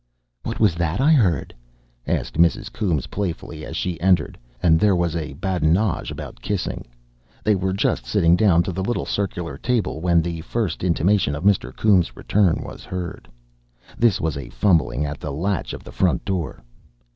"What was that I heard?" asked Mrs. Coombes playfully, as she entered, and there was badinage about kissing. They were just sitting down to the little circular table when the first intimation of Mr. Coombes' return was heard. This was a fumbling at the latch of the front door.